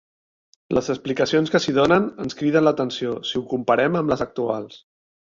Les explicacions que s'hi donen ens criden l'atenció si ho comparem amb les actuals.